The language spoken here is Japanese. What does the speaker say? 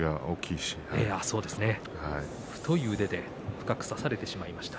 太い腕で深く差されてしまいました。